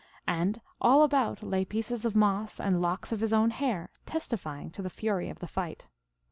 And all about lay pieces of moss and locks of his own hair, testifying to the fury of the fight.